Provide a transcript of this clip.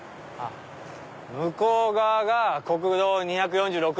向こう側が国道２４６号。